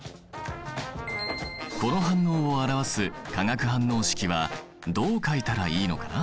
この反応を表す化学反応式はどう書いたらいいのかな？